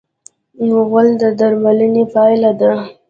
غول د درملنې پایله ده.